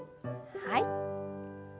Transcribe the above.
はい。